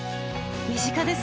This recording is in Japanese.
身近ですね。